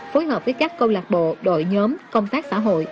phối hợp với các câu lạc bộ đội nhóm công tác xã hội